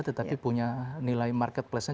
tetapi punya nilai market place nya